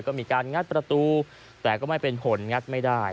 ก็มีการงัดประตูแต่ก็ไม่เป็นผลงัดไม่ได้